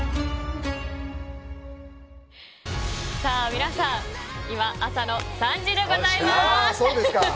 皆さん今、朝の３時でございます。